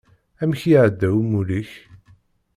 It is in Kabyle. Amek iεedda umulli-k?